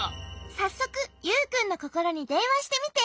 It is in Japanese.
さっそくユウくんのココロにでんわしてみて。